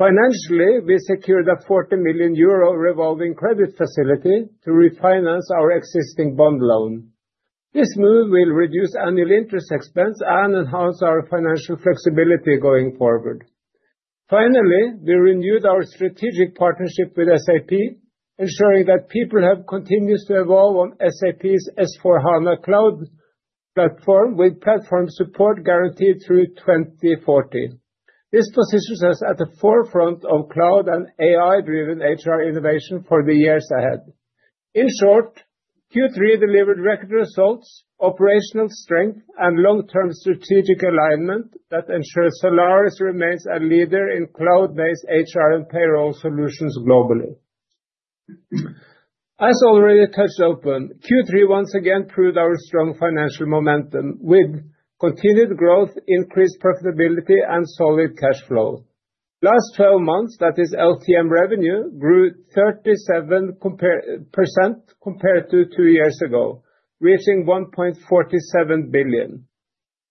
Financially, we secured a 40 million euro revolving credit facility to refinance our existing bond loan. This move will reduce annual interest expense and enhance our financial flexibility going forward. Finally, we renewed our strategic partnership with SAP, ensuring that PeopleHub continues to evolve on SAP S/4HANA Cloud, with platform support guaranteed through 2040. This positions us at the forefront of cloud and AI-driven HR innovation for the years ahead. In short, Q3 delivered record results, operational strength, and long-term strategic alignment that ensure Zalaris remains a leader in cloud-based HR and payroll solutions globally. As already touched upon, Q3 once again proved our strong financial momentum with continued growth, increased profitability, and solid cash flow. Last 12 months, that is, LTM revenue grew 37% compared to two years ago, reaching 1.47 billion.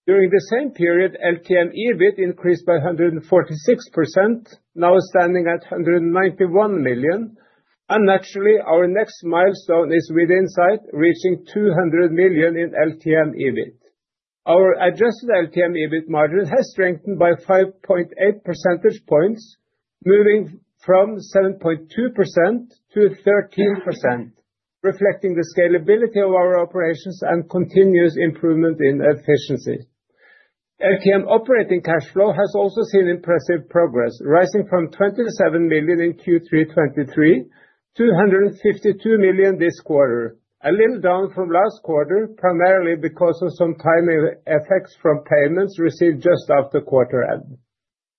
During the same period, LTM EBIT increased by 146%, now standing at 191 million. Naturally, our next milestone is within sight, reaching 200 million in LTM EBIT. Our adjusted LTM EBIT margin has strengthened by 5.8 percentage points, moving from 7.2% to 13%, reflecting the scalability of our operations and continuous improvement in efficiency. LTM operating cash flow has also seen impressive progress, rising from 27 million in Q3 2023 to 152 million this quarter, a little down from last quarter, primarily because of some timing effects from payments received just after quarter end.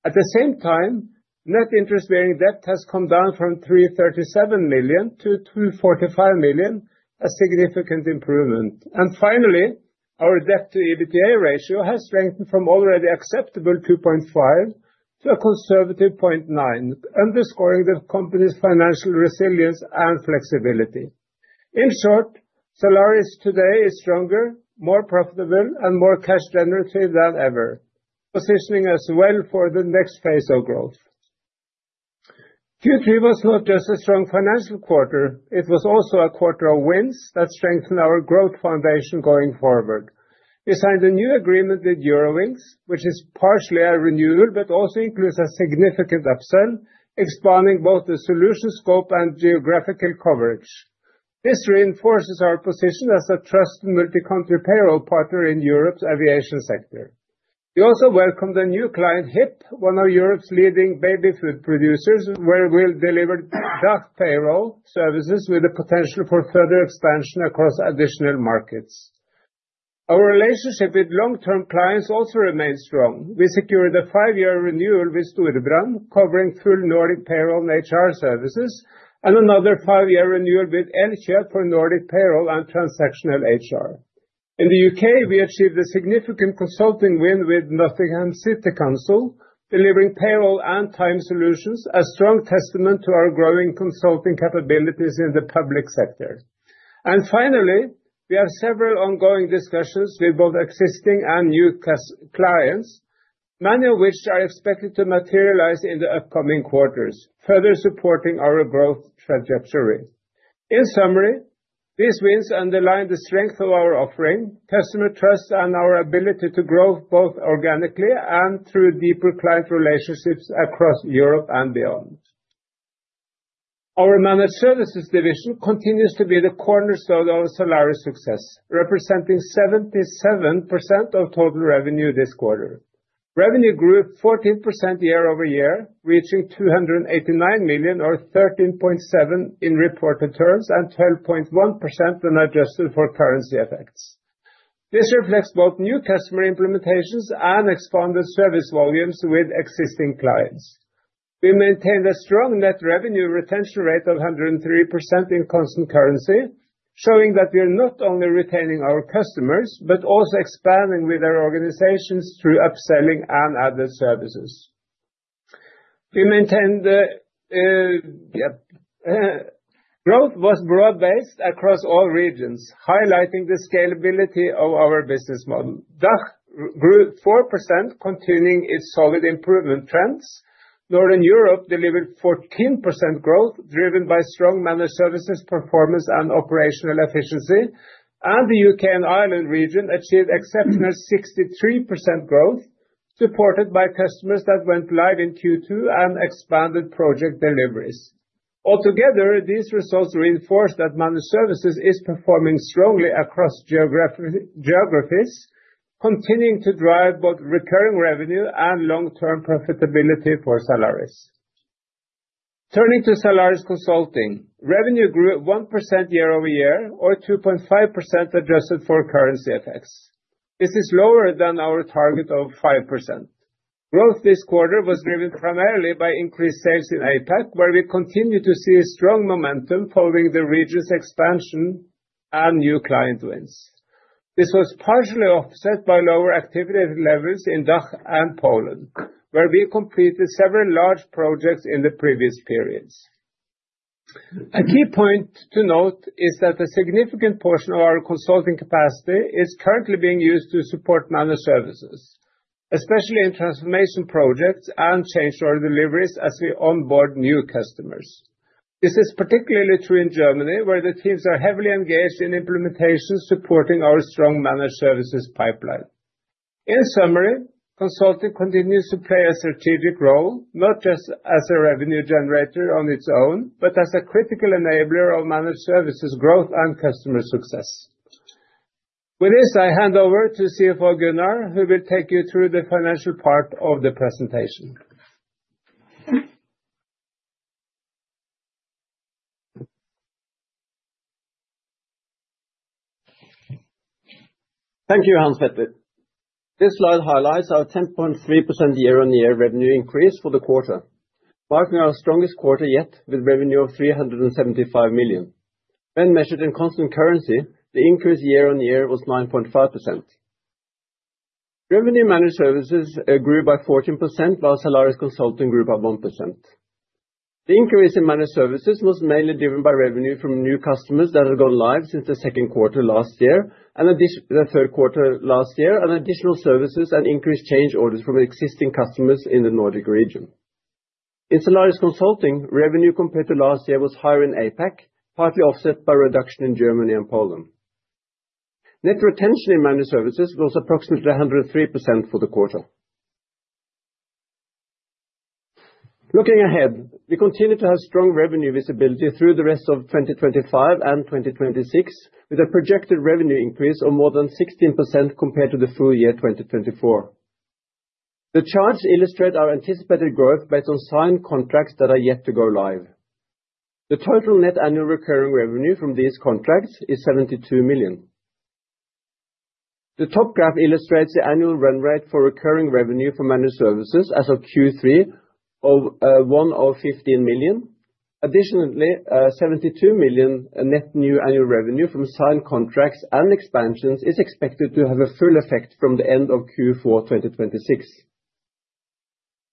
At the same time, net interest-bearing debt has come down from 337 million to 245 million, a significant improvement. Finally, our debt-to-EBITDA ratio has strengthened from already acceptable 2.5x to a conservative 0.9x, underscoring the company's financial resilience and flexibility. In short, Zalaris today is stronger, more profitable, and more cash-generative than ever, positioning us well for the next phase of growth. Q3 was not just a strong financial quarter, it was also a quarter of wins that strengthened our growth foundation going forward. We signed a new agreement with Eurowings, which is partially a renewal but also includes a significant upsell, expanding both the solution scope and geographical coverage. This reinforces our position as a trusted multi-country payroll partner in Europe's aviation sector. We also welcomed a new client, Hipp, one of Europe's leading baby food producers, where we'll deliver payroll services with the potential for further expansion across additional markets. Our relationship with long-term clients also remains strong. We secured a five-year renewal with Storebrand, covering full Nordic payroll and HR services, and another five-year renewal with Elkjøp for Nordic payroll and transactional HR. In the U.K., we achieved a significant consulting win with Nottingham City Council, delivering payroll and time solutions, a strong testament to our growing consulting capabilities in the public sector. Finally, we have several ongoing discussions with both existing and new clients, many of which are expected to materialize in the upcoming quarters, further supporting our growth trajectory. In summary, these wins underline the strength of our offering, customer trust, and our ability to grow both organically and through deeper client relationships across Europe and beyond. Our Managed Services division continues to be the cornerstone of Zalaris' success, representing 77% of total revenue this quarter. Revenue grew 14% year-over-year, reaching 289 million, or 13.7% in reported terms, and 12.1% when adjusted for currency effects. This reflects both new customer implementations and expanded service volumes with existing clients. We maintained a strong net revenue retention rate of 103% in constant currency, showing that we are not only retaining our customers but also expanding with our organizations through upselling and added services. We maintained the growth was broad-based across all regions, highlighting the scalability of our business model. DACH grew 4%, continuing its solid improvement trends. Northern Europe delivered 14% growth, driven by strong Managed Services performance and operational efficiency. The U.K. and Ireland region achieved exceptional 63% growth, supported by customers that went live in Q2 and expanded project deliveries. Altogether, these results reinforce that Managed Services is performing strongly across geographies, continuing to drive both recurring revenue and long-term profitability for Zalaris. Turning to Zalaris Consulting, revenue grew 1% year-over-year, or 2.5% adjusted for currency effects. This is lower than our target of 5%. Growth this quarter was driven primarily by increased sales in APAC, where we continue to see strong momentum following the region's expansion and new client wins. This was partially offset by lower activity levels in DACH and Poland, where we completed several large projects in the previous periods. A key point to note is that a significant portion of our consulting capacity is currently being used to support managed services, especially in transformation projects and change order deliveries as we onboard new customers. This is particularly true in Germany, where the teams are heavily engaged in implementation, supporting our strong managed services pipeline. In summary, consulting continues to play a strategic role, not just as a revenue generator on its own, but as a critical enabler of managed services growth and customer success. With this, I hand over to CFO Gunnar Manum, who will take you through the financial part of the presentation. Thank you, Hans-Petter. This slide highlights our 10.3% year-on-year revenue increase for the quarter, marking our strongest quarter yet with revenue of 375 million. When measured in constant currency, the increase year-on-year was 9.5%. Revenue in managed services grew by 14%, while Zalaris Consulting grew by 1%. The increase in managed services was mainly driven by revenue from new customers that had gone live since the second quarter last year and the third quarter last year, and additional services and increased change orders from existing customers in the Nordic region. In Zalaris Consulting, revenue compared to last year was higher in APAC, partly offset by a reduction in Germany and Poland. Net retention in managed services was approximately 103% for the quarter. Looking ahead, we continue to have strong revenue visibility through the rest of 2025 and 2026, with a projected revenue increase of more than 16% compared to the full year 2024. The charts illustrate our anticipated growth based on signed contracts that are yet to go live. The total net annual recurring revenue from these contracts is 72 million. The top graph illustrates the annual run rate for recurring revenue for managed services as of Q3 of 1,015 million. Additionally, 72 million net new annual revenue from signed contracts and expansions is expected to have a full effect from the end of Q4 2026.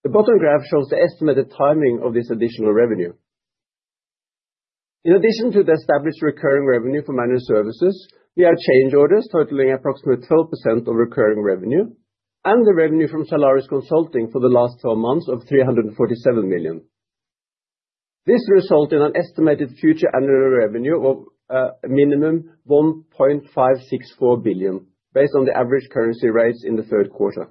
The bottom graph shows the estimated timing of this additional revenue. In addition to the established recurring revenue for managed services, we have change orders totaling approximately 12% of recurring revenue and the revenue from Zalaris Consulting for the last 12 months of 347 million. This resulted in an estimated future annual revenue of a minimum of 1.564 billion, based on the average currency rates in the third quarter.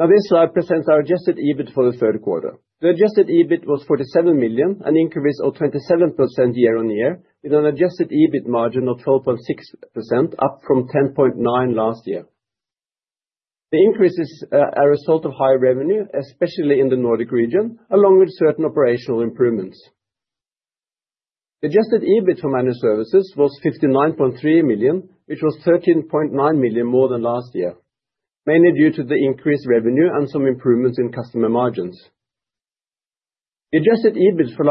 Now, this slide presents our adjusted EBIT for the third quarter. The adjusted EBIT was 47 million, an increase of 27% year-on-year, with an adjusted EBIT margin of 12.6%, up from 10.9% last year. The increases are a result of higher revenue, especially in the Nordic region, along with certain operational improvements. The adjusted EBIT for managed services was 59.3 million, which was 13.9 million more than last year, mainly due to the increased revenue and some improvements in customer margins. The adjusted EBIT for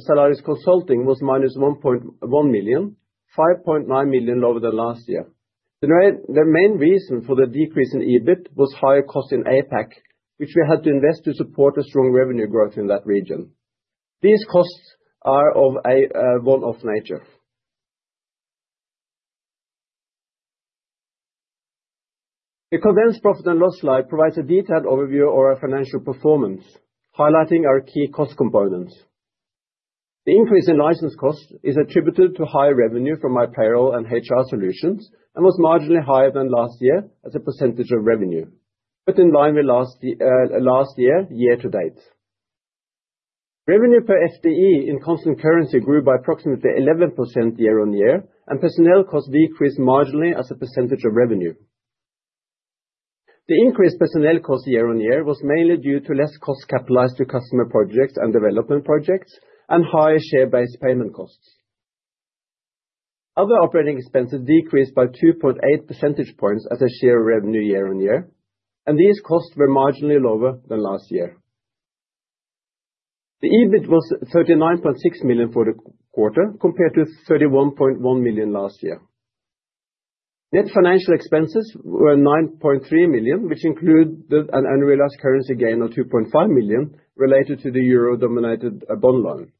Zalaris Consulting was minus 1.1 million, 5.9 million lower than last year. The main reason for the decrease in EBIT was higher costs in APAC, which we had to invest to support the strong revenue growth in that region. These costs are of a one-off nature. The condensed profit and loss slide provides a detailed overview of our financial performance, highlighting our key cost components. The increase in license costs is attributed to higher revenue from my payroll and HR solutions and was marginally higher than last year as a percentage of revenue, but in line with last year, year-to-date. Revenue per FTE in constant currency grew by approximately 11% year-on-year, and personnel costs decreased marginally as a percentage of revenue. The increased personnel costs year-on-year was mainly due to less costs capitalized to customer projects and development projects, and higher share-based payment costs. Other operating expenses decreased by 2.8 percentage points as a share of revenue year-on-year, and these costs were marginally lower than last year. The EBIT was 39.6 million for the quarter compared to 31.1 million last year. Net financial expenses were 9.3 million, which included an unrealized currency gain of 2.5 million related to the euro-denominated bond loan.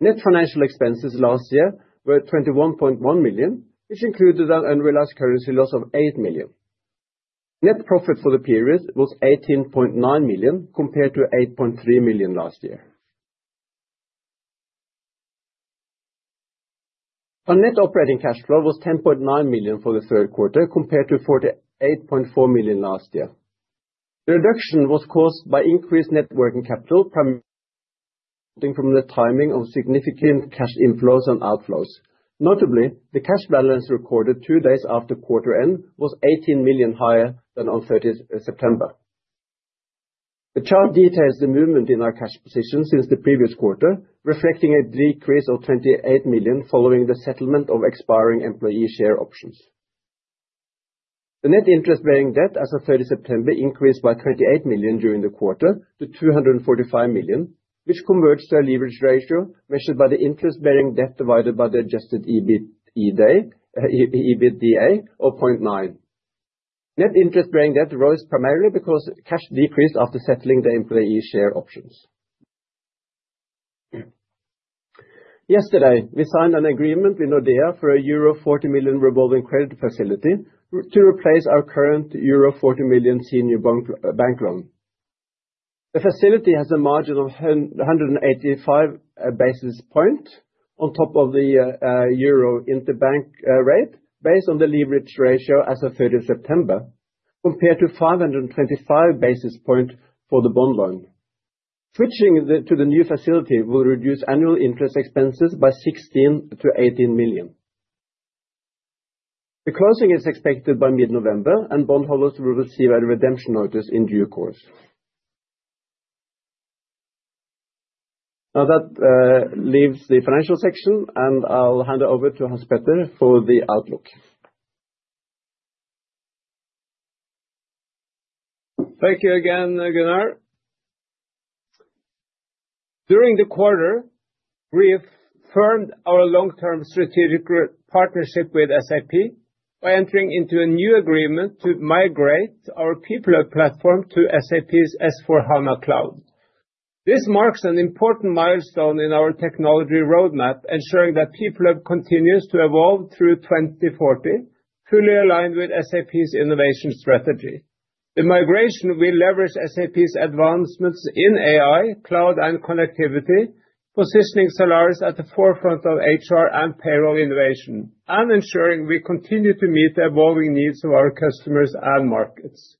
Net financial expenses last year were 21.1 million, which included an unrealized currency loss of 8 million. Net profit for the period was 18.9 million compared to 8.3 million last year. Our net operating cash flow was 10.9 million for the third quarter compared to 48.4 million last year. The reduction was caused by increased net working capital, prompting the timing of significant cash inflows and outflows. Notably, the cash balance recorded two days after quarter end was 18 million higher than on September 30th. The chart details the movement in our cash position since the previous quarter, reflecting a decrease of 28 million following the settlement of expiring employee share options. The net interest-bearing debt as of September 30th increased by 28 million during the quarter to 245 million, which converts to a leverage ratio measured by the interest-bearing debt divided by the adjusted EBITDA of 0.9x. Net interest-bearing debt rose primarily because cash decreased after settling the employee share options. Yesterday, we signed an agreement with Nordea for a euro 40 million revolving credit facility to replace our current euro 40 million senior bank loan. The facility has a margin of 185 basis points on top of the Euro interbank rate, based on the leverage ratio as of 30 September, compared to 525 basis points for the bond loan. Switching to the new facility will reduce annual interest expenses by 16 million-18 million. The closing is expected by mid-November, and bondholders will receive a redemption notice in due course. That leaves the financial section, and I'll hand over to Hans-Petter for the outlook. Thank you again, Gunnar. During the quarter, we've firmed our long-term strategic partnership with SAP by entering into a new agreement to migrate our PeopleHub platform to SAP S/4HANA Cloud. This marks an important milestone in our technology roadmap, ensuring that PeopleHub continues to evolve through 2040, fully aligned with SAP's innovation strategy. The migration will leverage SAP's advancements in AI, cloud, and connectivity, positioning Zalaris at the forefront of HR and payroll innovation and ensuring we continue to meet the evolving needs of our customers and markets.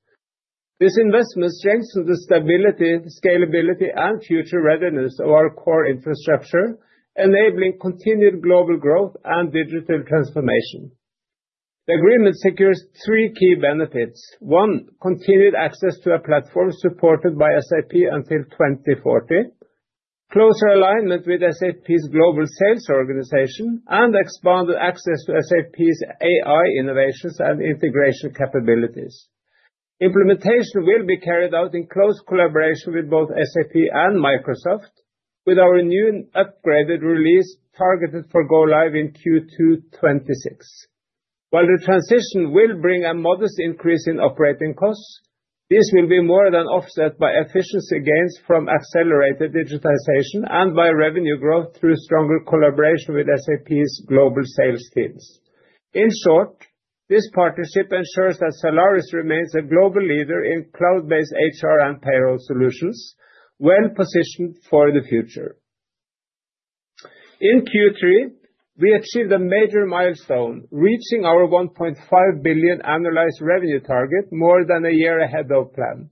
This investment strengthens the stability, scalability, and future readiness of our core infrastructure, enabling continued global growth and digital transformation. The agreement secures three key benefits: one, continued access to a platform supported by SAP until 2040, closer alignment with SAP's global sales organization, and expanded access to SAP's AI innovations and integration capabilities. Implementation will be carried out in close collaboration with both SAP and Microsoft, with our new and upgraded release targeted for go live in Q2 2026. While the transition will bring a modest increase in operating costs, this will be more than offset by efficiency gains from accelerated digitization and by revenue growth through stronger collaboration with SAP's global sales teams. In short, this partnership ensures that Zalaris remains a global leader in cloud-based HR and payroll solutions, well-positioned for the future. In Q3, we achieved a major milestone, reaching our 1.5 billion annualized revenue target, more than a year ahead of plan.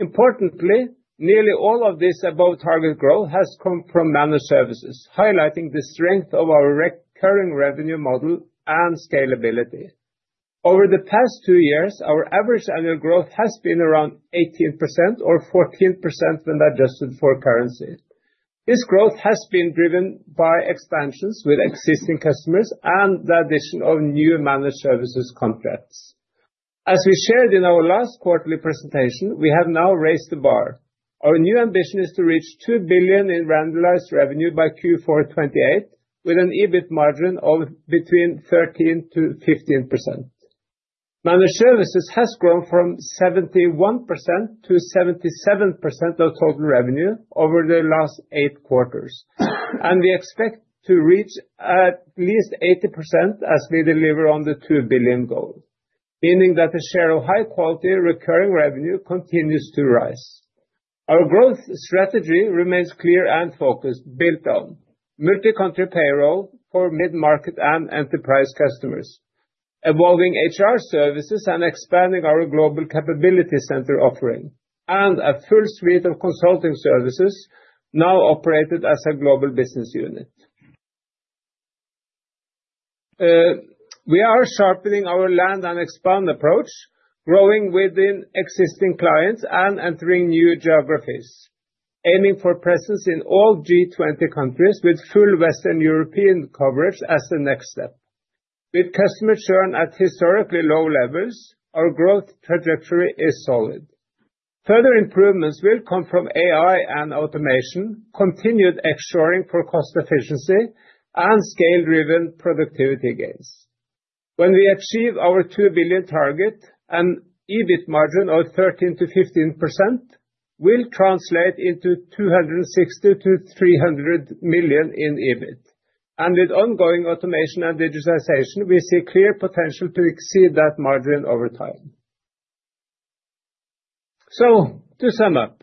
Importantly, nearly all of this above-target growth has come from managed services, highlighting the strength of our recurring revenue model and scalability. Over the past two years, our average annual growth has been around 18% or 14% when adjusted for currency. This growth has been driven by expansions with existing customers and the addition of new managed services contracts. As we shared in our last quarterly presentation, we have now raised the bar. Our new ambition is to reach 2 billion in annualized revenue by Q4 2028, with an EBIT margin of between 13%-15%. Managed services has grown from 71% to 77% of total revenue over the last eight quarters, and we expect to reach at least 80% as we deliver on the 2 billion goal, meaning that the share of high-quality recurring revenue continues to rise. Our growth strategy remains clear and focused, built on multi-country payroll for mid-market and enterprise customers, evolving HR services, and expanding our global capability center offering and a full suite of consulting services now operated as a global business unit. We are sharpening our land and expand approach, growing within existing clients and entering new geographies, aiming for presence in all G20 countries with full Western European coverage as the next step. With customer churn at historically low levels, our growth trajectory is solid. Further improvements will come from AI and automation, continued extras for cost efficiency, and scale-driven productivity gains. When we achieve our 2 billion target, an EBIT margin of 13%-15% will translate into 260 million-300 million in EBIT. With ongoing automation and digitization, we see clear potential to exceed that margin over time. To sum up,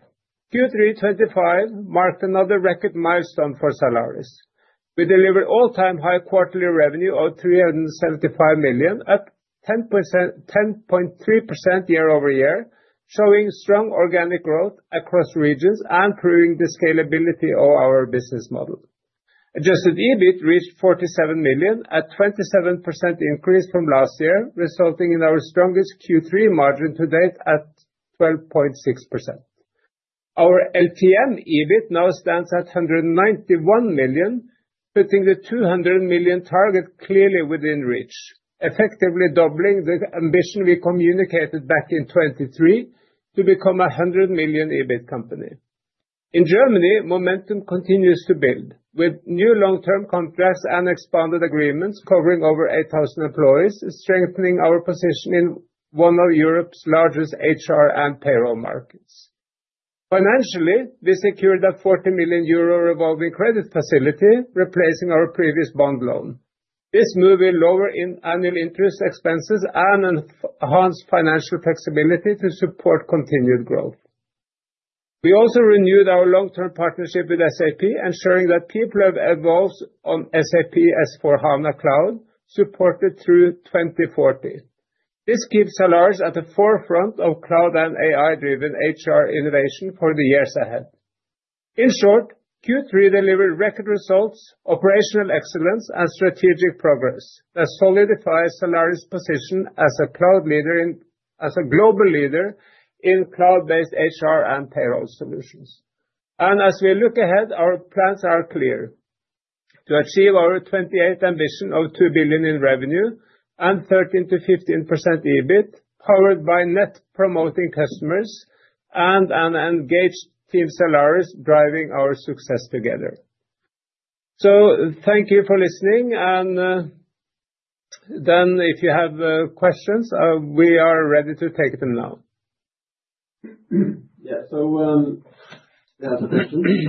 Q3 2025 marked another record milestone for Zalaris. We delivered all-time high quarterly revenue of 375 million, up 10.3% year-over-year, showing strong organic growth across regions and proving the scalability of our business model. Adjusted EBIT reached 47 million, a 27% increase from last year, resulting in our strongest Q3 margin to date at 12.6%. Our LTM EBIT now stands at 191 million, putting the 200 million target clearly within reach, effectively doubling the ambition we communicated back in 2023 to become a 100 million EBIT company. In Germany, momentum continues to build, with new long-term contracts and expanded agreements covering over 8,000 employees, strengthening our position in one of Europe's largest HR and payroll markets. Financially, we secured a 40 million euro revolving credit facility, replacing our previous bond loan. This move will lower annual interest expenses and enhance financial flexibility to support continued growth. We also renewed our long-term partnership with SAP, ensuring that PeopleHub evolves on SAP S/4HANA Cloud, supported through 2040. This keeps Zalaris at the forefront of cloud and AI-driven HR innovation for the years ahead. In short, Q3 delivered record results, operational excellence, and strategic progress that solidify Zalaris' position as a global leader in cloud-based HR and payroll solutions. As we look ahead, our plans are clear to achieve our 2028 ambition of 2 billion in revenue and 13%-15% EBIT, powered by net promoting customers and an engaged team Zalaris driving our success together. Thank you for listening. If you have questions, we are ready to take them now. Yeah, I have a question. The first one is,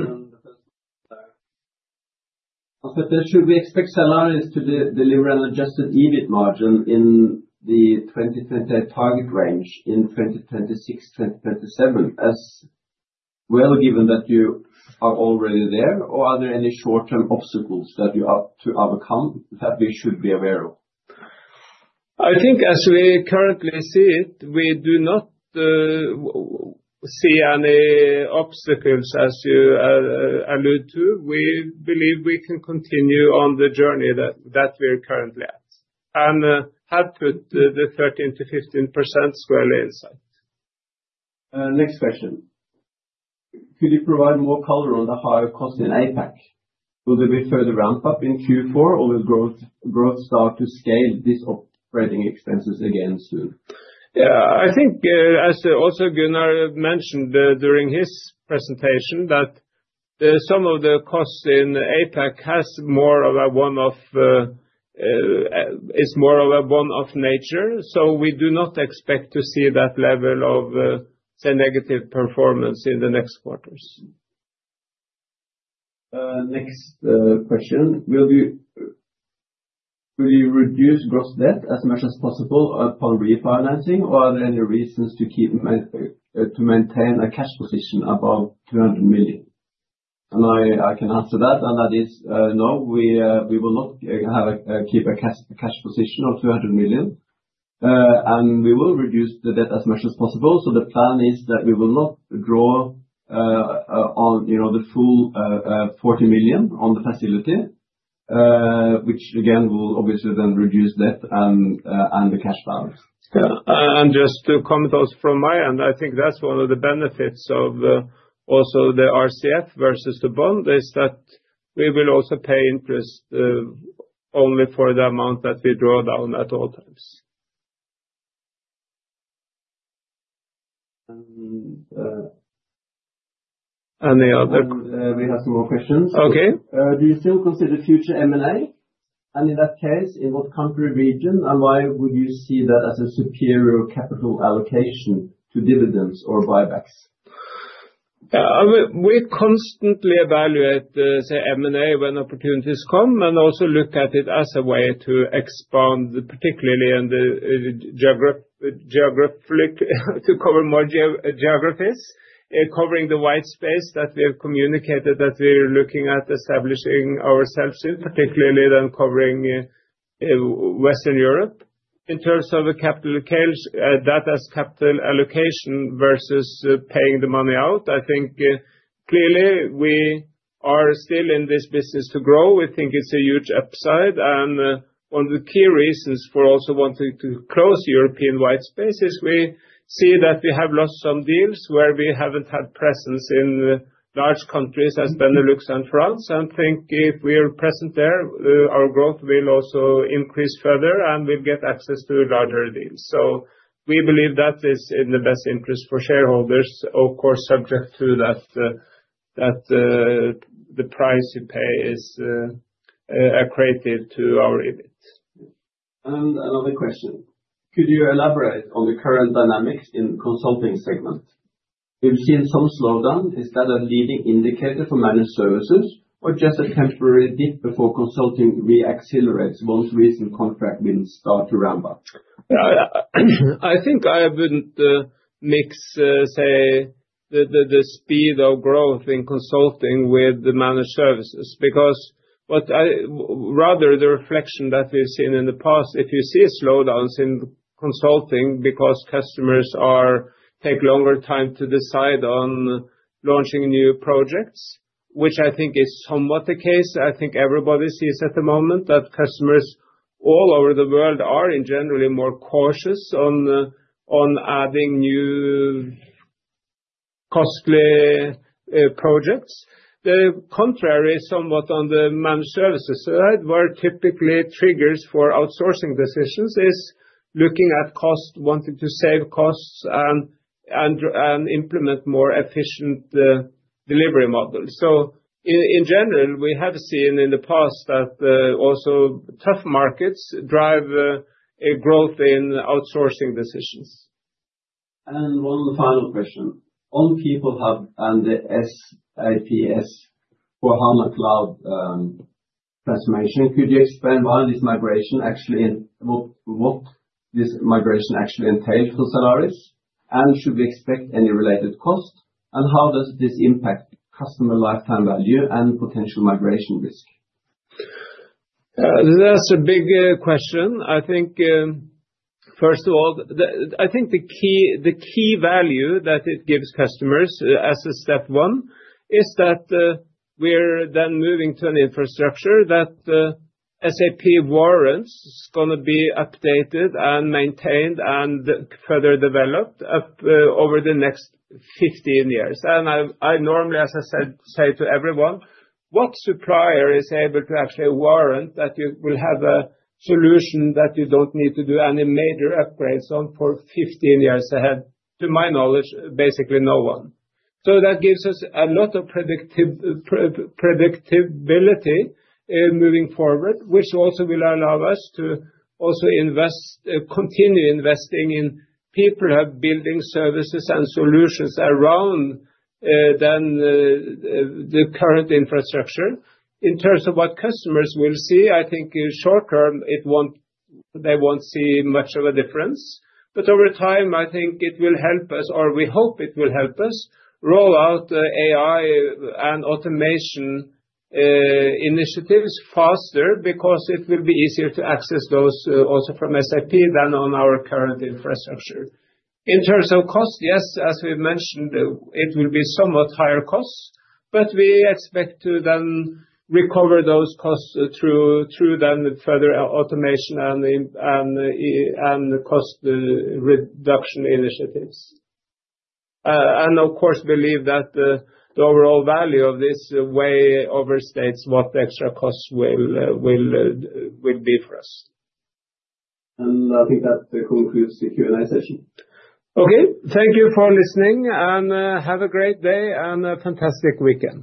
"Hans-Petter, should we expect Zalaris to deliver an adjusted EBIT margin in the 2028 target range in 2026-2027?" As well, given that you are already there, or are there any short-term obstacles that you have to overcome that we should be aware of? I think as we currently see it, we do not see any obstacles. As you alluded to, we believe we can continue on the journey that we are currently at and have put the 13%-15% squarely in sight. Next question. "Could you provide more color on the higher cost in APAC? Will there be further ramp-up in Q4, or will growth start to scale these operating expenses again soon? Yeah, I think, as also Gunnar Manum mentioned during his presentation, that some of the costs in APAC are more of a one-off nature, so we do not expect to see that level of, say, negative performance in the next quarters. Next question. "Will you reduce gross debt as much as possible upon refinancing, or are there any reasons to keep to maintain a cash position above 200 million?" I can answer that, and that is, no, we will not keep a cash position of 200 million, and we will reduce the debt as much as possible. The plan is that we will not draw on the full 40 million on the facility, which again will obviously then reduce debt and the cash balance. Yeah, just to comment also from my end, I think that's one of the benefits of also the revolving credit facility versus the bond, that we will also pay interest only for the amount that we draw down at all times. Any other? We have some more questions. Okay. Do you still consider future M&A? In that case, in what country or region, and why would you see that as a superior capital allocation to dividends or buybacks? Yeah, we constantly evaluate, say, M&A when opportunities come and also look at it as a way to expand, particularly in the geographic to cover more geographies, covering the white space that we have communicated that we are looking at establishing ourselves in, particularly then covering Western Europe. In terms of a capital case that has capital allocation versus paying the money out, I think clearly we are still in this business to grow. We think it's a huge upside, and one of the key reasons for also wanting to close European white space is we see that we have lost some deals where we haven't had presence in large countries as Benelux and France. If we are present there, our growth will also increase further and we'll get access to larger deals. We believe that is in the best interest for shareholders, of course, subject to that the price you pay is accretive to our EBIT. Could you elaborate on the current dynamics in the consulting segment? We've seen some slowdown. Is that a leading indicator for managed services, or just a temporary dip before consulting re-accelerates once recent contract wins start to ramp up? Yeah, I think I wouldn't mix, say, the speed of growth in consulting with the managed services because rather the reflection that we've seen in the past, if you see slowdowns in consulting because customers take longer time to decide on launching new projects, which I think is somewhat the case. I think everybody sees at the moment that customers all over the world are in general more cautious on adding new costly projects. The contrary is somewhat on the managed services. That is where typically triggers for outsourcing decisions is looking at cost, wanting to save costs, and implement more efficient delivery models. In general, we have seen in the past that also tough markets drive growth in outsourcing decisions. One final question. "On PeopleHub and the SAP S/4HANA Cloud transformation, could you explain what this migration actually entails for Zalaris? Should we expect any related cost? How does this impact customer lifetime value and potential migration risk? Yeah, that's a big question. I think first of all, I think the key value that it gives customers as a step one is that we are then moving to an infrastructure that SAP warrants is going to be updated and maintained and further developed over the next 15 years. I normally, as I said, say to everyone, what supplier is able to actually warrant that you will have a solution that you don't need to do any major upgrades on for 15 years ahead? To my knowledge, basically no one. That gives us a lot of predictability moving forward, which also will allow us to also invest, continue investing in PeopleHub building services and solutions around the current infrastructure. In terms of what customers will see, I think short-term, they won't see much of a difference. Over time, I think it will help us, or we hope it will help us roll out AI and automation initiatives faster because it will be easier to access those also from SAP than on our current infrastructure. In terms of cost, yes, as we mentioned, it will be somewhat higher costs, but we expect to then recover those costs through then further automation and cost reduction initiatives. Of course, believe that the overall value of this way overstates what the extra costs will be for us. I think that concludes the Q&A session. Okay, thank you for listening, and have a great day and a fantastic weekend.